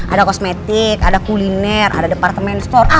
ada kosmetik ada kuliner ada departemen store